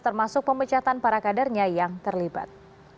termasuk pemecatan para kadernya yang terlibat